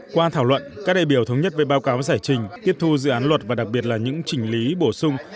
qua thảo luận các đại biểu thống nhất về báo cáo giải trình tiếp thu dự án luật và đặc biệt là những trình lý bổ sung